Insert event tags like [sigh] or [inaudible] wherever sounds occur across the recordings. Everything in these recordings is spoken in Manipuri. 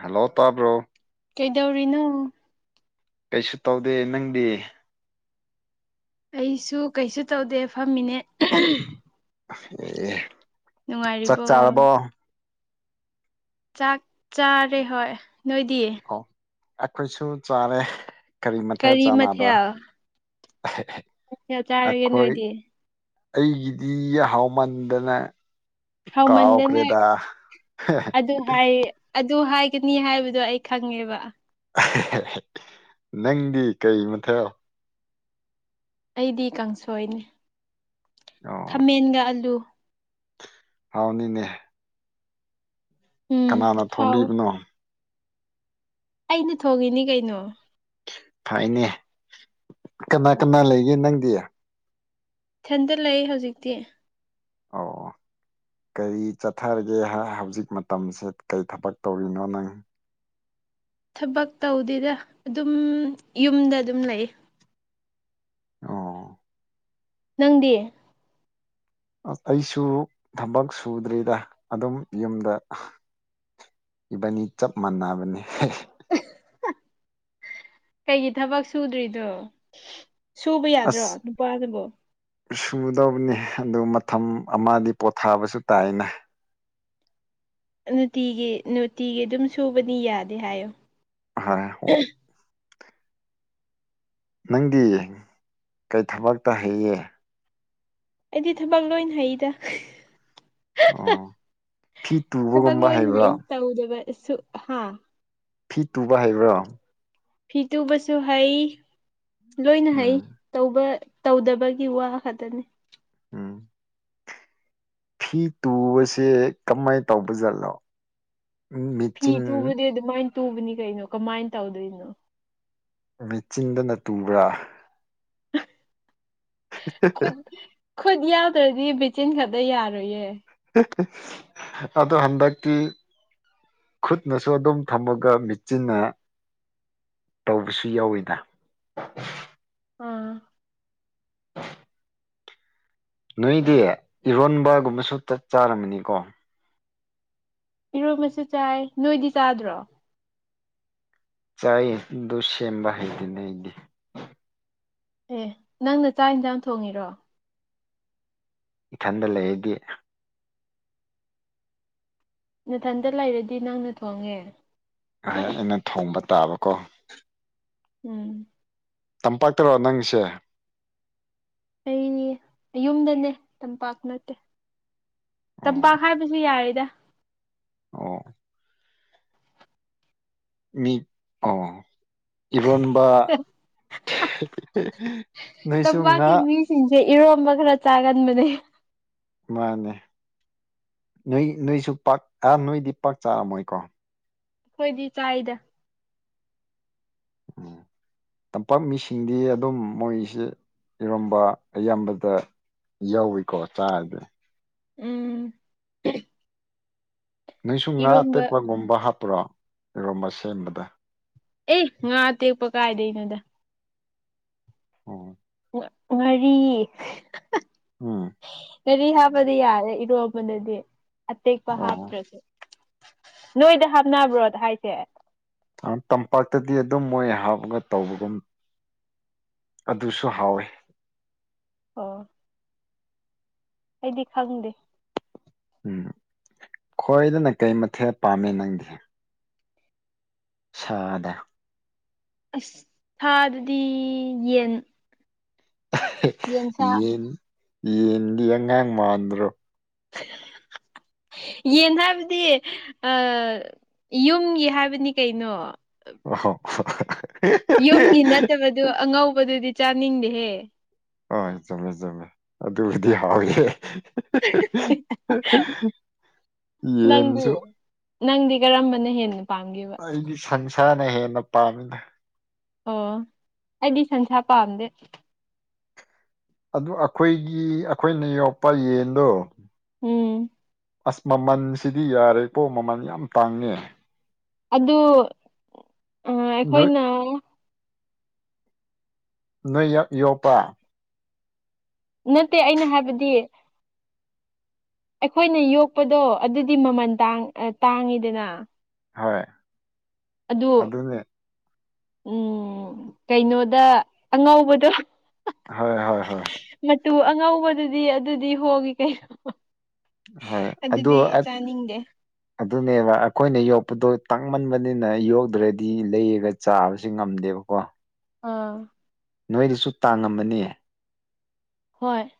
ꯍꯂꯣ ꯇꯥꯕ꯭ꯔꯣ ꯀꯩꯗꯧꯔꯤꯅꯣ ꯀꯩꯁꯨ ꯇꯧꯗꯦ ꯅꯪꯗꯤ ꯑꯩꯁꯨ ꯀꯩꯁꯨ ꯇꯧꯗꯦ ꯐꯝꯃꯤꯅꯦ ꯑꯦ [unintelligible] [inaudible] ꯆꯥꯛ ꯅꯨꯡꯉꯔꯤꯕꯣ ꯆꯥꯔꯕꯣ ꯆꯥꯛ ꯆꯥꯔꯦ ꯍꯣꯏ ꯅꯣꯏꯗꯤ ꯑꯣ ꯑꯩꯈꯣꯏꯁꯨ ꯆꯥꯔꯦ ꯀꯔꯤ ꯃꯊꯦꯜ ꯆꯥꯟꯅꯕ ꯆꯥꯔꯒꯦ ꯑꯈꯣꯏ ꯅꯣꯏꯗꯤ ꯑꯩꯒꯤꯗꯤ ꯍꯥꯎꯃꯟꯗꯅ ꯍꯥꯎꯃꯟꯗꯅ ꯀꯥꯎꯈ꯭ꯔꯦꯗ ꯑꯗꯨ ꯍꯥꯏ ꯑꯗꯨ ꯍꯥꯏꯒꯅꯤ ꯍꯥꯏꯕꯗꯣ ꯑꯩ ꯈꯪꯉꯦꯕ ꯅꯪꯗꯤ ꯀꯩ ꯃꯊꯦꯜ ꯑꯩꯗꯤ ꯀꯥꯡꯁꯣꯏꯅꯤ ꯑꯣ ꯈꯥꯃꯦꯟꯒ ꯑꯂꯨ ꯍꯥꯎꯅꯤꯅꯦ ꯎꯝ ꯀꯅꯥꯅ ꯍꯥꯎꯋꯦ ꯊꯣꯡꯕꯤꯕꯅꯣ ꯑꯩꯅ ꯊꯣꯡꯉꯤꯅꯤ ꯀꯩꯅꯣ ꯐꯥꯏꯅꯦ ꯀꯅꯥ ꯀꯅꯥ ꯂꯩꯒꯦ ꯅꯪꯗꯤ ꯏꯊꯟꯇ ꯂꯩ ꯍꯧꯖꯤꯛꯇꯤ ꯑꯣ ꯀꯔꯤ ꯆꯠꯊꯔꯒꯦ ꯍꯧꯖꯤꯛ ꯃꯇꯝꯁꯦ ꯀꯔꯤ ꯊꯕꯛ ꯇꯧꯔꯤꯅꯣ ꯅꯪ ꯊꯕꯛ ꯇꯧꯗꯦꯗ ꯑꯗꯨꯝ ꯌꯨꯝꯗ ꯑꯗꯨꯝ ꯂꯩꯌꯦ ꯑꯣ ꯅꯪꯗꯤ ꯑꯩꯁꯨ ꯊꯕꯛ ꯁꯨꯗ꯭ꯔꯤꯗ ꯑꯗꯨꯝ ꯌꯨꯝꯗ ꯏꯕꯥꯅꯤ ꯆꯞ ꯃꯥꯟꯅꯕꯅꯦ ꯀꯩꯒꯤ ꯊꯕꯛ ꯁꯨꯗ꯭ꯔꯤꯅꯣ ꯁꯨꯕ ꯌꯥꯗ꯭ꯔꯣ ꯅꯨꯄꯥꯅꯕꯨ ꯁꯨꯒꯗꯧꯕꯅꯤ ꯑꯗꯨ ꯃꯇꯝ ꯑꯃꯗꯤ ꯄꯣꯊꯥꯕꯁꯨ ꯇꯥꯏꯅ ꯅꯨꯇꯤꯒꯤ ꯅꯨꯇꯤꯒꯤ ꯑꯗꯨꯝ ꯁꯨꯕꯗꯤ ꯌꯥꯗꯦ ꯍꯥꯏꯌꯣ ꯍ ꯅꯪꯗꯤ ꯀꯩ ꯊꯕꯛꯇ ꯍꯩꯌꯦ ꯑꯩꯗꯤ ꯊꯕꯛ ꯂꯣꯏ ꯍꯩꯗ ꯑꯣ ꯐꯤ ꯊꯕꯛ ꯇꯨꯕꯒꯨꯝꯕ ꯂꯣꯏ ꯍꯩꯕ꯭ꯔꯣ ꯍꯩ ꯇꯧꯗꯕꯁꯨ ꯍꯥ ꯐꯤ ꯇꯨꯕ ꯍꯩꯕ꯭ꯔꯣ ꯐꯤ ꯇꯨꯕꯁꯨ ꯍꯩ ꯂꯣꯏꯅ ꯍꯩ ꯎꯝ ꯇꯧꯕ ꯇꯧꯗꯕꯒꯤ ꯋꯥ ꯈꯛꯇꯅꯦ ꯎꯝ ꯐꯤ ꯇꯨꯕꯁꯦ ꯀꯃꯥꯏ ꯇꯧꯕ ꯖꯠꯂꯣ ꯐꯤ ꯇꯨꯕꯗꯤ ꯑꯗꯨꯃꯥꯏꯅ ꯇꯨꯕꯅꯤ ꯀꯩꯅꯣ ꯀꯃꯥꯏꯅ ꯇꯧꯗꯣꯏꯅꯣ ꯃꯤꯆꯤꯟꯗꯅ ꯇꯨꯕꯔꯥ ꯈꯨꯠ ꯈꯨꯠ ꯌꯥꯎꯗ꯭ꯔꯗꯤ ꯃꯦꯆꯤꯟ ꯈꯛꯇ ꯌꯥꯔꯣꯏꯌꯦ ꯑꯗꯣ ꯍꯟꯗꯛꯀꯤ ꯈꯨꯠꯅꯁꯨ ꯑꯗꯨꯝ ꯊꯝꯃꯒ ꯃꯦꯠꯆꯤꯟꯅ ꯇꯧꯕꯁꯨ ꯌꯥꯎꯋꯤꯗ ꯑ [inaudible] ꯅꯣꯏꯗꯤ ꯏꯔꯣꯟꯕꯒꯨꯝꯕꯁꯨ ꯆꯠ ꯆꯥꯔꯝꯃꯅꯤꯀꯣ ꯏꯔꯣꯟꯕꯁꯨ ꯆꯥꯏ ꯅꯣꯏꯗꯤ ꯆꯥꯗ꯭ꯔꯣ ꯆꯥꯏꯌꯦ ꯑꯗꯨ ꯁꯦꯝꯕ ꯍꯩꯗꯦꯅꯦ ꯑꯩꯗꯤ ꯑꯦ ꯅꯪꯅ ꯆꯥꯛ ꯌꯦꯟꯁꯥꯡ ꯊꯣꯡꯉꯤꯔꯣ ꯏꯊꯟꯗ ꯂꯩꯔꯗꯤ ꯅꯊꯟꯇ ꯂꯩꯔꯗꯤ ꯅꯪꯅ ꯊꯣꯡꯉꯦ ꯑ ꯑꯩꯅ ꯊꯣꯡꯕ ꯇꯥꯕꯀꯣ ꯎꯝ ꯇꯝꯄꯥꯛꯇꯔꯣ ꯅꯪꯁꯦ ꯑꯩꯅꯦ ꯌꯨꯝꯗꯅꯦ ꯇꯝꯄꯥꯛ ꯅꯠꯇꯦ ꯑꯣ ꯇꯝꯄꯥꯛ ꯍꯥꯏꯕꯁꯨ ꯌꯥꯏꯌꯦꯗ ꯑꯣ ꯃꯤ ꯑꯣ ꯏꯔꯣꯟꯕ ꯅꯣꯏꯁꯨ ꯉꯥ ꯁꯤꯡꯁꯦ ꯏꯔꯣꯝꯕ ꯈꯔ ꯆꯥꯒꯟꯕꯅꯦ ꯃꯥꯅꯦ ꯅꯣꯏ ꯅꯣꯏꯁꯨ ꯄꯥꯛ ꯑꯥ ꯅꯣꯏꯗꯤ ꯄꯥꯛ ꯆꯥꯔꯝꯃꯣꯏꯀꯣ ꯑꯩꯈꯣꯏꯗꯤ ꯆꯥꯏꯗ ꯎꯝ ꯇꯝꯄꯥꯛ ꯃꯤꯁꯤꯡꯗꯤ ꯑꯗꯨꯝ ꯃꯣꯏꯁꯦ ꯏꯔꯣꯝꯕ ꯑꯌꯥꯝꯕꯗ ꯌꯧꯏꯤꯀꯣ ꯆꯥꯔꯁꯦ ꯎꯝ ꯅꯨꯡꯁꯨꯝ ꯉꯥ ꯏꯔꯣꯝꯕ ꯑꯇꯦꯛꯄꯒꯨꯝꯕ ꯍꯥꯞꯄꯔꯣ ꯀꯒꯨꯝꯕ ꯁꯦꯝꯕꯗ ꯑꯦ ꯉꯥ ꯇꯦꯛꯄ ꯀꯥꯏꯗꯩꯅꯣꯗ ꯑꯣꯝ ꯉꯥꯔꯤ ꯎꯝ ꯉꯔꯤ ꯍꯥꯞꯄꯗꯤ ꯌꯥꯔꯦ ꯏꯔꯣꯝꯕꯗꯗꯤ ꯑꯇꯦꯛꯄ ꯑꯣ ꯍꯥꯞꯇ꯭ꯔꯁꯨ ꯅꯣꯏꯗ ꯍꯥꯞꯅꯕ꯭ꯔꯣꯗ ꯍꯥꯏꯁꯦ ꯇꯝꯄꯥꯛꯇꯗꯤ ꯑꯗꯨꯝ ꯃꯣꯏ ꯍꯥꯞꯄꯒ ꯇꯧꯕꯒꯨꯝ ꯑꯗꯨꯁꯨ ꯍꯥꯎꯋꯤ ꯑꯣ ꯑꯩꯗꯤ ꯈꯪꯗꯦ ꯎꯝ ꯈꯣꯏꯗꯅ ꯀꯩ ꯃꯊꯦꯜ ꯄꯥꯝꯃꯤ ꯅꯪꯗꯤ ꯁꯗ ꯑꯁ ꯊꯥꯗꯨꯗꯤ ꯌꯦꯟ ꯌꯦꯟꯁꯥ ꯌꯦꯟ ꯌꯦꯟꯗꯤ ꯑꯉꯥꯡ ꯃꯥꯟꯗ꯭ꯔꯣ [inaudible] ꯌꯦꯟ ꯍꯥꯏꯕꯗꯤ ꯑ ꯌꯨꯝꯒꯤ ꯍꯥꯏꯕꯅꯤ ꯀꯩꯅꯣ ꯑ ꯌꯨꯝꯒꯤ ꯅꯠꯇꯕꯗꯨ ꯑꯉꯧꯕꯗꯨꯗꯤ ꯆꯥꯅꯤꯡꯗꯦꯍꯦ ꯍꯣꯏ ꯆꯨꯝꯃꯦ ꯆꯨꯝꯃꯦ ꯑꯗꯨꯕꯨꯗꯤ ꯍꯥꯎꯏ ꯅꯪꯗꯤ ꯌꯦꯟꯁꯨ ꯅꯪꯗꯤ ꯀꯔꯝꯕꯅ ꯍꯦꯟꯅ ꯄꯥꯝꯒꯦꯕ ꯑꯩꯗꯤ ꯁꯟꯁꯥꯅ ꯍꯦꯟꯅ ꯄꯥꯝꯃꯤꯗ ꯑꯣ ꯑꯩꯗꯤ ꯁꯟꯁꯥ ꯄꯥꯝꯗꯦ ꯑꯗꯨ ꯑꯩꯈꯣꯏꯒꯤ ꯑꯩꯈꯣꯏꯅ ꯌꯣꯛꯄ ꯌꯦꯟꯗꯣ ꯎꯝ ꯑꯁ ꯃꯃꯜꯁꯤꯗꯤ ꯌꯥꯔꯦꯀꯣ ꯃꯃꯜ ꯌꯥꯝ ꯇꯥꯡꯉꯦ ꯑꯗꯨ ꯅꯣꯏ ꯑꯩꯈꯣꯏꯅ ꯅꯣꯏ ꯌꯥꯝ ꯌꯣꯛꯄ ꯅꯠꯇꯦ ꯑꯩꯅ ꯍꯥꯏꯕꯗꯤ ꯑꯩꯈꯣꯏꯅ ꯌꯣꯛꯄꯗꯣ ꯑꯗꯨꯗꯤ ꯃꯃꯜ ꯇꯥꯡꯉꯤꯗꯅ ꯍꯣꯏ ꯑꯗꯨ ꯑꯗꯨꯅꯦ ꯎꯝ ꯀꯩꯅꯣꯗ ꯑꯉꯧꯕꯗꯣ ꯍꯣꯏ ꯍꯣꯏ ꯍꯣꯏ ꯃꯇꯨ ꯑꯉꯧꯕꯗꯨꯗꯤ ꯑꯗꯨꯗꯤ ꯍꯣꯡꯉ ꯀꯩꯅ ꯍꯣꯏ ꯑꯗꯨ ꯆꯥꯅꯤꯡꯗꯦ ꯑꯗꯨꯅꯦꯕ ꯑꯩꯈꯣꯏꯅ ꯌꯣꯛꯄꯗꯣ ꯇꯥꯡꯃꯟꯕꯅꯤꯅ ꯌꯣꯛꯗ꯭ꯔꯗꯤ ꯂꯩꯔꯒ ꯆꯥꯕꯁꯤ ꯉꯝꯗꯦꯕꯀꯣ ꯑꯥ ꯅꯣꯏꯗꯁꯨ ꯇꯥꯡꯉꯝꯃꯅꯤ ꯍꯣꯏ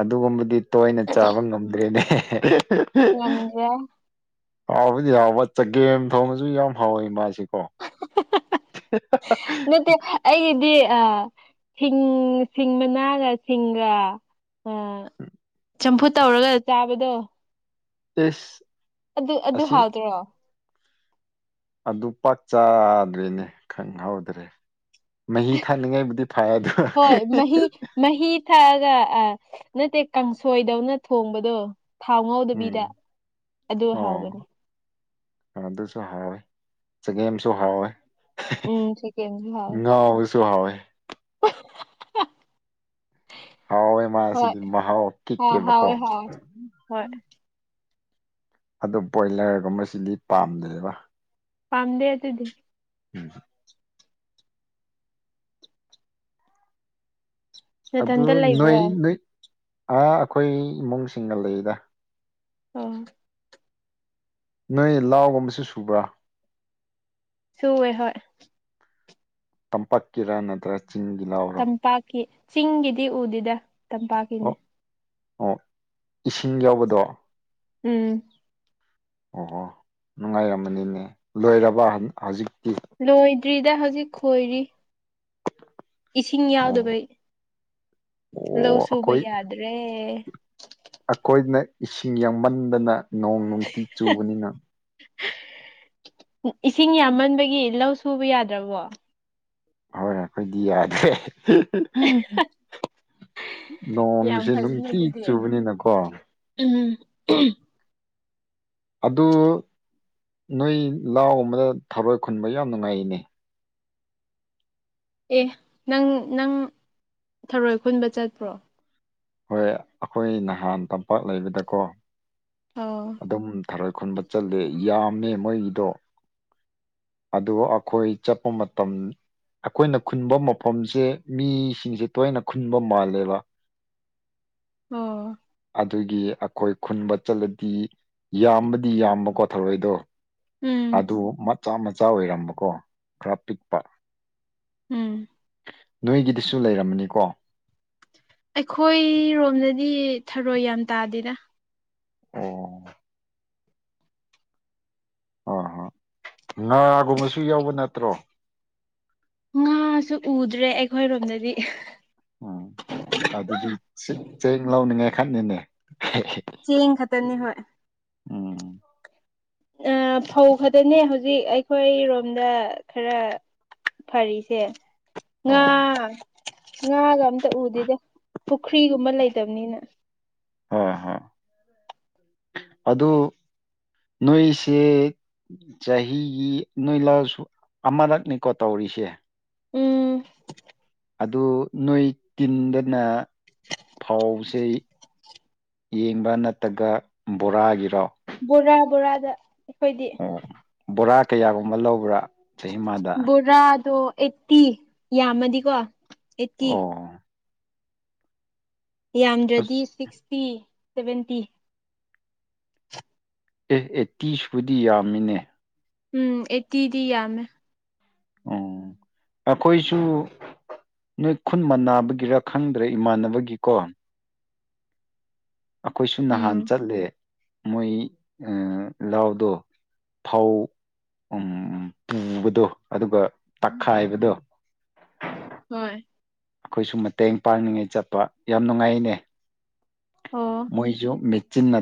ꯑꯗꯨꯒꯨꯝꯕꯗꯤ ꯇꯣꯏꯅ ꯆꯥꯕ ꯉꯝꯗ꯭ꯔꯦꯅꯦ ꯉꯝꯗ꯭ꯔꯦ ꯍꯥꯎꯕꯗꯤ ꯍꯥꯎꯕ ꯆꯒꯦꯝ ꯊꯣꯡꯕꯁꯨ ꯌꯥꯝ ꯍꯥꯎꯋꯦ ꯃꯥꯁꯤ ꯀꯣ [unintelligible] ꯅꯠꯇꯦ ꯑꯩꯒꯤꯗꯤ ꯑ ꯁꯤꯡ ꯃꯅꯥꯒ ꯁꯤꯡꯒ ꯑ ꯆꯝꯐꯨꯠ ꯇꯧꯔꯒ ꯆꯥꯕꯗꯣ ꯑꯦꯁ ꯑꯗꯨ ꯑꯗꯨ ꯍꯥꯎꯗ꯭ꯔꯣ ꯑꯗꯨ ꯄꯥꯛ ꯆꯥꯗ꯭ꯔꯦꯅꯦ ꯈꯪꯍꯧꯗ꯭ꯔꯦ ꯃꯍꯤ ꯊꯛꯅꯤꯡꯉꯥꯏꯕꯨꯗꯤ ꯐꯔꯗ ꯍꯣꯏ ꯃꯍꯤ ꯃꯍꯤ ꯊꯛꯑꯒ ꯑꯥ ꯅꯠꯇꯦ ꯀꯥꯡꯁꯣꯏꯗꯧꯅ ꯊꯣꯡꯕꯗꯣ ꯊꯥꯎ ꯎꯝ ꯉꯧꯗꯕꯤꯗ ꯑꯗꯨ ꯍꯥꯎꯕꯅꯤ ꯑꯣ ꯑꯗꯨꯁꯨ ꯍꯥꯎꯋꯦ ꯆꯒꯦꯝꯁꯨ ꯍꯥꯎꯋꯦ ꯎꯝ ꯆꯤꯀꯦꯟꯁꯨ ꯍꯥꯎꯋꯦ ꯉꯥꯎꯕꯁꯨꯨ ꯍꯥꯎꯋꯦ ꯍꯥꯎꯋꯦ ꯍꯣꯏ ꯃꯥꯁꯤꯗꯤ ꯃꯍꯥꯎ ꯍꯥꯎꯋꯦ ꯍꯥꯎꯋꯦ ꯀꯤꯛꯑꯦꯕꯀꯣ ꯍꯣꯏ ꯑꯗꯨꯣ ꯕꯣꯏꯂꯔꯒꯨꯝꯕꯁꯤꯗꯤ ꯄꯥꯝꯗ꯭ꯔꯦꯕ ꯄꯥꯝꯗꯦ ꯑꯗꯨꯗꯤ ꯎꯝ ꯑꯗꯨ ꯅꯊꯟꯇ ꯂꯩꯕ꯭ꯔꯣ ꯅꯣꯏ ꯅ ꯑ ꯑꯩꯈꯣꯏ ꯏꯃꯨꯡꯁꯤꯡꯅ ꯂꯩꯗ ꯑꯣ ꯅꯣꯏ ꯂꯥꯎꯒꯨꯝꯕꯁꯨ ꯁꯨꯕ꯭ꯔꯥ ꯁꯨꯋꯦ ꯍꯣꯏ ꯇꯝꯄꯥꯛ ꯀꯤꯔ ꯅꯠꯇ꯭ꯔ ꯆꯤꯡꯒꯂꯥꯎ ꯇꯝꯄꯥꯛꯀꯤ ꯆꯤꯡꯒꯤꯗꯤ ꯎꯗꯦꯗ ꯇꯝꯄꯥꯛꯀꯤꯅꯦ ꯑꯣ ꯑꯣ ꯏꯁꯤꯡ ꯌꯥꯎꯕꯗꯣ ꯎꯝ ꯑꯣꯍꯣ ꯅꯨꯡꯉꯥꯏꯔꯝꯃꯅꯤꯅꯦ ꯂꯣꯏꯔꯕ ꯍꯧꯖꯤꯛꯇꯤ ꯂꯣꯏꯗ꯭ꯔꯤꯗ ꯍꯧꯖꯤꯛ ꯈꯣꯏꯔꯤ ꯏꯁꯤꯡ ꯑꯣ ꯌꯥꯎꯗꯕꯩ ꯂꯧ ꯑꯣ ꯁꯨꯕ ꯑꯩꯈꯣꯏ ꯌꯥꯗ꯭ꯔꯦ ꯑꯩꯈꯣꯏꯅ ꯏꯁꯤꯡ ꯌꯥꯝꯃꯟꯗꯅ ꯅꯣꯡ ꯅꯨꯡꯇꯤ ꯆꯨꯕꯅꯤꯅ ꯏꯁꯤꯡ ꯌꯥꯝꯃꯟꯕꯒꯤ ꯂꯧ ꯁꯨꯕ ꯌꯥꯗ꯭ꯔꯕꯣ ꯍꯣꯏ ꯑꯈꯣꯏꯗꯤ ꯌꯥꯗ꯭ꯔꯦ ꯌꯥꯝ ꯅꯣꯡꯁꯦ ꯐꯩꯅꯦ ꯅꯨꯡꯇꯤ ꯑꯗꯨꯗꯤ ꯆꯨꯕꯅꯤꯅꯀꯣ ꯎꯝ ꯑꯗꯨ ꯅꯣꯏ ꯂꯥꯎꯒꯨꯝꯕꯗ ꯊꯔꯣꯏ ꯈꯨꯟꯕ ꯌꯥꯝ ꯅꯨꯡꯉꯥꯏꯌꯦꯅꯦ ꯑꯦ ꯅꯪ ꯅꯪ ꯊꯔꯣꯏ ꯈꯨꯟꯕ ꯆꯠꯄ꯭ꯔꯣ ꯍꯣꯏ ꯑꯩꯈꯣꯏ ꯅꯍꯥꯟ ꯇꯝꯄꯥꯛ ꯂꯩꯕꯗꯀꯣ ꯑꯧ ꯗꯨꯝ ꯊꯔꯣꯏ ꯈꯨꯟꯕ ꯆꯠꯂꯦ ꯌꯥꯝꯃꯦ ꯃꯣꯏꯒꯤꯗꯣ ꯑꯗꯣ ꯑꯩꯈꯣꯏ ꯆꯠꯄ ꯃꯇꯝ ꯑꯩꯈꯣꯏꯅ ꯈꯨꯟꯕ ꯃꯐꯝꯁꯦ ꯃꯤꯁꯤꯡꯁꯦ ꯇꯣꯏꯅ ꯈꯨꯟꯕ ꯃꯥꯜꯂꯦꯕ [inaudible] ꯑꯣ ꯑꯗꯨꯒꯤ ꯑꯈꯣꯏ ꯈꯨꯟꯕ ꯆꯠꯂꯗꯤ ꯌꯥꯝꯕꯗꯤ ꯌꯥꯝꯕꯀꯣ ꯊꯧꯔꯣꯏꯗꯣ ꯎꯝ ꯑꯗꯨ ꯃꯆꯥ ꯃꯆꯥ ꯑꯣꯏꯔꯝꯕꯀꯣ ꯈꯔ ꯄꯤꯛꯄ ꯎꯝ ꯅꯣꯏꯒꯤꯗꯨꯁꯨ ꯂꯩꯔꯝꯃꯅꯤꯀꯣ ꯑꯩꯈꯣꯏꯔꯣꯝꯗꯗꯤ ꯊꯔꯣꯏ ꯌꯥꯝ ꯇꯥꯗꯦꯗ ꯑꯣ ꯑꯥ ꯍꯥ ꯅꯒꯨꯝꯕꯁꯨ ꯌꯥꯎꯕ ꯅꯠꯇ꯭ꯔꯣ ꯉꯥꯁꯨ ꯎꯗ꯭ꯔꯦ ꯑꯩꯈꯣꯏꯔꯣꯝꯗꯗꯤ ꯎꯝ ꯑꯗꯨꯗꯤ ꯁꯤꯠ ꯆꯦꯡ ꯂꯧꯅꯤꯡꯉꯥꯏ ꯈꯠꯅꯤꯅꯦ ꯑꯦꯡ ꯈꯠꯇꯅꯤ ꯍꯣꯏ ꯎꯝ ꯑꯥ ꯐꯧ ꯈꯛꯇꯅꯦ ꯍꯧꯖꯤꯛ ꯑꯩꯈꯣꯏꯔꯣꯝꯗ ꯈꯔ ꯐꯔꯤꯁꯦ ꯑꯣ ꯉꯥ ꯉꯥꯒ ꯑꯝꯇ ꯎꯗꯦꯗ ꯄꯨꯈ꯭ꯔꯤꯒꯨꯝꯕ ꯂꯩꯇꯝꯅꯤꯅ ꯍꯣ ꯍꯣ ꯑꯗꯨ ꯅꯣꯏꯁꯦ ꯆꯍꯤꯒꯤ ꯅꯣꯏ ꯂꯧꯁꯨ ꯑꯃꯔꯛꯅꯤꯀꯣ ꯇꯧꯔꯤꯁꯦ ꯎꯝ ꯑꯗꯨ ꯅꯣꯏ ꯇꯤꯟꯗꯅ ꯐꯧꯁꯦ ꯌꯦꯡꯕ ꯅꯠꯇꯒ ꯕꯣꯔꯥꯒꯤꯔꯣ ꯕꯣꯔꯥ ꯕꯣꯔꯥꯗ ꯑꯩꯈꯣꯏꯗꯤ ꯑꯣ ꯕꯣꯔꯥ ꯀꯌꯥꯒꯨꯝꯕ ꯂꯧꯕ꯭ꯔꯥ ꯆꯍꯤꯃꯗ ꯇꯔꯥꯗꯣ ꯑꯩꯠꯇꯤ ꯌꯥꯝꯃꯗꯤꯀꯣ ꯑꯩꯠꯇꯤ ꯑꯣ ꯌꯥꯝꯗ꯭ꯔꯗꯤ ꯑꯁ ꯁꯤꯛꯁꯇꯤ ꯁꯕꯦꯟꯇꯤ ꯑꯦ ꯑꯦ ꯇꯤ ꯁꯨꯗꯤ ꯌꯥꯝꯃꯤꯅꯦ ꯎꯝ ꯑꯦꯠꯇꯤꯗꯤ ꯌꯥꯝꯃꯦ ꯑꯣ ꯑꯩꯈꯣꯏꯁꯨ ꯅꯣꯏ ꯈꯨꯟ ꯃ ꯅꯥꯕꯒꯤꯔ ꯈꯪꯗ꯭ꯔꯦ ꯏꯃꯥꯟꯅꯕꯒꯤꯀꯣ ꯑꯩꯈꯣꯏꯁꯨ ꯅꯍꯥꯟ ꯎꯝ ꯆꯠꯂꯦ ꯃꯣꯏ ꯑ ꯂꯧꯗꯣ ꯐꯧ ꯎꯝ ꯇꯨꯕꯗꯣ ꯑꯗꯨꯒ ꯇꯛꯈꯥꯏꯕꯗꯣ ꯑ [unintelligible] ꯍꯣꯏ ꯑꯩꯈꯣꯏꯁꯨ ꯃꯇꯦꯡ ꯄꯥꯡꯅꯤꯡꯉꯥꯏ ꯆꯠꯄ ꯌꯥꯝ ꯅꯨꯡꯉꯥꯏꯌꯦꯅꯦ ꯑꯣ ꯃꯣꯏꯖꯨ ꯃꯦꯆꯤꯟꯅ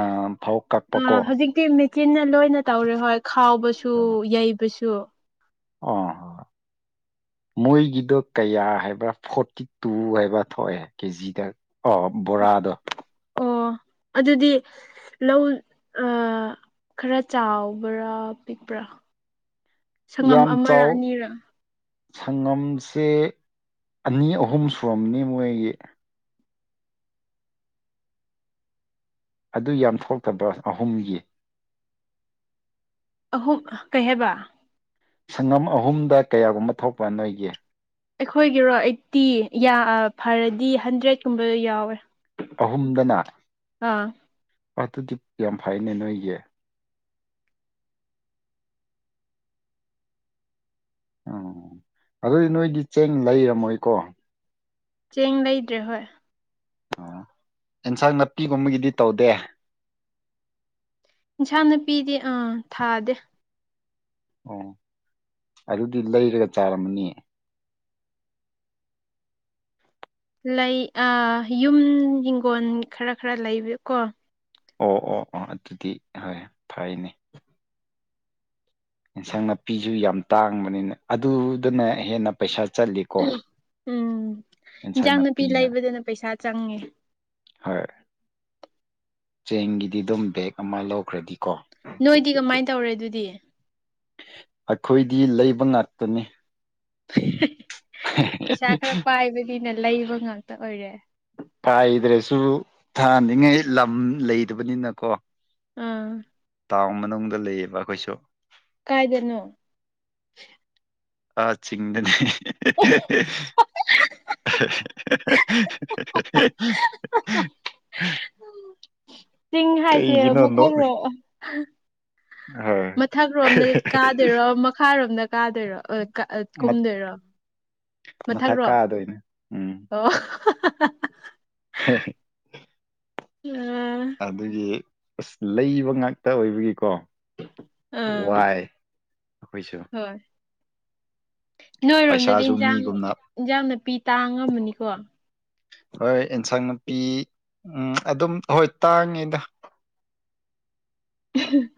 ꯑꯥ ꯐꯧ ꯑ ꯀꯛꯄꯀꯣ ꯍꯧꯖꯤꯛꯇꯤ ꯃꯦꯆꯤꯟꯅ ꯂꯣꯏꯅ ꯇꯧꯔꯦ ꯍꯣꯏ ꯈꯥꯎꯕꯁꯨ ꯌꯩꯕꯁꯨ ꯑꯣ ꯍꯣ ꯃꯣꯏꯒꯤꯗꯣ ꯀꯌꯥ ꯍꯥꯏꯕ꯭ꯔꯥ ꯐꯣꯔꯇꯤ ꯇꯨ ꯍꯥꯏꯕꯥ ꯊꯣꯛꯑꯦ ꯀꯦꯖꯤꯗ ꯑꯣ ꯕꯣꯔꯥꯗꯣ ꯑꯣ ꯑꯗꯨꯗꯤ ꯂꯧ ꯈꯔ ꯆꯥꯎꯕ꯭ꯔꯥ ꯄꯤꯛꯄ꯭ꯔꯥ ꯁꯪꯉꯝ ꯌꯥꯝ ꯑꯃꯔ ꯆꯥꯎꯥꯎ ꯑꯅꯤꯔ ꯁꯪꯒꯝꯁꯦ ꯑꯅꯤ ꯑꯍꯨꯝ ꯁꯨꯔꯝꯅꯤ ꯃꯣꯏꯒꯤ ꯑꯗꯨ ꯌꯥꯝ ꯊꯣꯛꯇꯕ꯭ꯔꯥ ꯑꯍꯨꯝꯒꯤ ꯑꯍꯨꯝ ꯀꯩ ꯍꯥꯏꯕ ꯁꯪꯉꯝ ꯑꯍꯨꯝꯗ ꯀꯌꯥꯒꯨꯝꯕ ꯊꯣꯛꯄ ꯅꯣꯏꯒꯤ ꯑꯩꯈꯣꯏꯒꯤꯔꯣ ꯑꯩꯠꯇꯤ ꯐꯔꯗꯤ ꯍꯟꯗ꯭ꯔꯦꯠꯀꯨꯝꯕꯗ ꯌꯥꯎꯋꯦ ꯑꯍꯨꯝꯗꯅ ꯑꯥ ꯑꯗꯨꯗꯤ ꯌꯥꯝ ꯐꯩꯅꯦ ꯅꯣꯏꯒꯤ ꯑꯣ ꯑꯗꯨꯗꯤ ꯅꯣꯏꯒꯤ ꯆꯦꯡ ꯂꯩꯔꯝꯃꯣꯏꯀꯣ ꯆꯦꯡ ꯂꯩꯗ꯭ꯔꯦ ꯍꯣꯏ ꯑꯣ ꯑꯦꯟꯁꯥꯡ ꯅꯥꯄꯤꯒꯨꯝꯕꯒꯤꯗꯤ ꯇꯧꯗꯦ ꯏꯟꯁꯥꯡ ꯅꯨꯄꯤꯗꯤ ꯑꯥ ꯊꯥꯗꯦ ꯑꯣ ꯑꯗꯨꯗꯤ ꯂꯩꯔꯒ ꯆꯥꯔꯝꯃꯅꯤ ꯂꯩ ꯌꯨꯝ ꯍꯤꯡꯒꯣꯜ ꯈꯔ ꯈꯔ ꯂꯩꯕ ꯀꯣ ꯑꯣ ꯑꯣ ꯑꯣ ꯑꯗꯨꯗꯤ ꯍꯣꯏ ꯐꯩꯅꯦ ꯏꯟꯁꯥꯡ ꯅꯥꯄꯤꯁꯨ ꯌꯥꯝ ꯇꯥꯡꯕꯅꯤꯅ ꯑꯗꯨꯗꯅ ꯍꯦꯟꯅ ꯄꯩꯁꯥ ꯆꯠꯂꯤ ꯎꯝ ꯏꯟꯖꯥꯡ ꯅꯥꯄꯤ ꯅꯥꯄꯤꯅ ꯂꯩꯕꯗꯅ ꯄꯩꯁꯥ ꯆꯪꯉꯦ ꯍꯣꯏ ꯆꯦꯡꯒꯤꯗꯤ ꯑꯗꯨꯝ ꯕꯦꯛ ꯑꯃ ꯂꯧꯈ꯭ꯔꯗꯤꯀꯣ ꯅꯣꯏꯗꯤ ꯀꯃꯥꯏꯅ ꯇꯧꯔꯦ ꯑꯗꯨꯗꯤ ꯑꯩꯈꯣꯏꯗꯤ ꯂꯩꯕ ꯉꯥꯛꯇꯅꯤ ꯄꯩꯁꯥ ꯈꯔ ꯄꯥꯏꯕꯅꯤꯅ ꯂꯩꯕ ꯉꯥꯛꯇ ꯑꯣꯏꯔꯦ ꯀꯥꯏꯗ꯭ꯔꯁꯨ ꯊꯥꯅꯤꯡꯉꯩ ꯂꯝ ꯂꯩꯗꯕꯅꯤꯅꯀꯣ ꯑꯥ ꯇꯥꯎꯟ ꯃꯅꯨꯡꯗ ꯂꯩꯌꯦꯕ ꯑꯩꯈꯣꯏꯁꯨ ꯀꯥꯏꯗꯅꯣ ꯑ ꯆꯤꯡꯗꯅꯤ [unintelligible] ꯆꯤꯡ ꯍꯥꯏꯁꯦ ꯀꯩꯒꯤꯅꯣ ꯅꯣꯛ ꯃꯨꯈꯧꯔꯣ ꯍꯣꯏ ꯃꯊꯛꯔꯣꯝꯗ ꯀꯥꯗꯣꯏꯔꯣ ꯃꯈꯥꯔꯣꯝꯗ ꯀꯥꯗꯣꯏꯔꯣ ꯑꯥ ꯀꯨꯝꯗ‌ꯣꯏꯔ‌ꯣ ꯃꯊꯛ ꯀꯥꯗꯣꯏꯅꯦ ꯎꯝ ꯑꯣ ꯍ‌‌ꯦ ꯑꯥ ꯑꯗꯨꯒꯤ ꯑꯁ ꯂꯩꯕ ꯉꯥꯛꯇ ꯑꯣꯏꯕꯒꯤꯀꯣ ꯑꯥ ꯋꯥꯏ ꯑꯩꯈꯣꯏꯁꯨ ꯍꯣꯏ ꯅꯣꯏꯔꯣꯝꯗꯗꯤ ꯄꯩꯁꯥꯁꯨ ꯏꯟꯁꯥꯡ ꯃꯤꯒꯨꯝꯅ ꯏꯟꯁꯥꯡ ꯅꯥꯄꯤ ꯇꯥꯡ ꯉꯝꯃꯅꯤꯀꯣ ꯍꯣꯏ ꯑꯦꯟꯁꯥꯡ ꯅꯥꯄꯤ ꯎꯝ ꯑꯗꯨꯝ ꯍꯣꯏ ꯇꯥꯡꯉꯤꯗ [unintelligible]